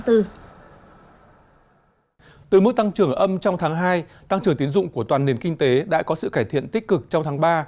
từ mức tăng trưởng âm trong tháng hai tăng trưởng tiến dụng của toàn nền kinh tế đã có sự cải thiện tích cực trong tháng ba